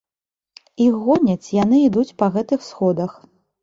Іх гоняць, яны ідуць па гэтых сходах.